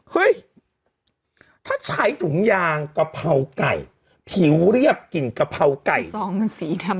เฮ้ยถ้าใช้ถุงยางกะเพราไก่ผิวเรียบกลิ่นกะเพราไก่สองมันสีดำ